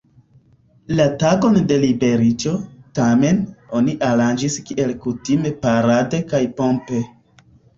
La tagon de liberiĝo, tamen, oni aranĝis kiel kutime parade kaj pompe.